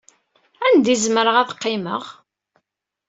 Anda i zemreɣ ad qqimeɣ?